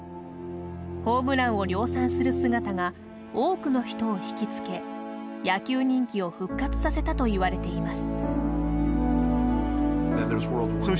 ホームランを量産する姿が多くの人を引きつけ野球人気を復活させたといわれています。